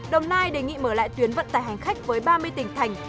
đồng nai đề nghị mở lại tuyến vận tải hành khách với ba mươi tỉnh thành